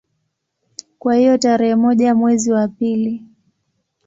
Kwa hiyo tarehe moja mwezi wa pili